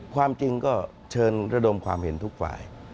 ความจริงก็เชิญระดมความเห็นทุกฝ่าย